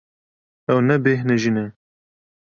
Ew nebêhnijîne.